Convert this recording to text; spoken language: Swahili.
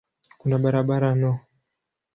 Kuna barabara no.